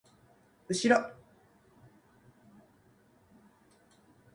うしろ